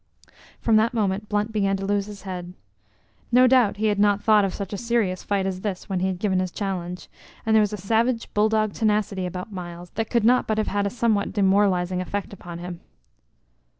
From that moment Blunt began to lose his head. No doubt he had not thought of such a serious fight as this when he had given his challenge, and there was a savage bull dog tenacity about Myles that could not but have had a somewhat demoralizing effect upon him.